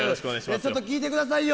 ちょっと聞いて下さいよ。